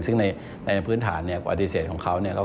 ซึ่งในพื้นฐานปฏิเสธของเขา